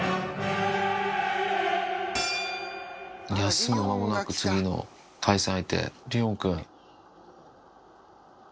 休む間もなく次の対戦相手リオン君。